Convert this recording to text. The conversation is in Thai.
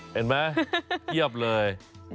เห็นไหมเพียบเลย